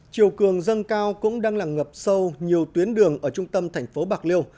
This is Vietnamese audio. chiều cường dân cao cũng đang làng ngập sâu nhiều tuyến đường ở trung tâm thành phố bạc liêu